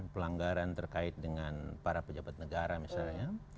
pelanggaran terkait dengan para pejabat negara misalnya